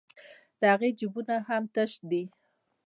د هغې جېبونه هم تش دي